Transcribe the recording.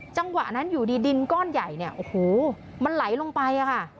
จังหวะนั้นอยู่ดีดินก้อนใหญ่เนี่ยโอ้โหมันไหลลงไปค่ะ